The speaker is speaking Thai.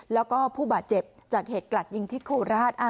แล้วก็ผู้บาดเจ็บจากเหตุกลัดยิงที่โคราช